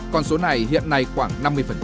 còn số này hiện nay khoảng năm mươi